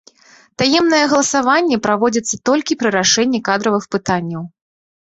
Таемнае галасаванне праводзіцца толькі пры рашэнні кадравых пытанняў.